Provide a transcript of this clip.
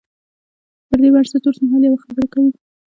پر دې بنسټ اوسمهال یوه خبره کوو.